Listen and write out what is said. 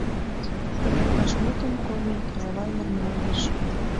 Тыгай вашмутым колмеке, ава ӧрмалгыш.